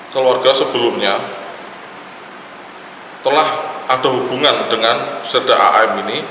keluarga sebelumnya telah ada hubungan dengan serda aam ini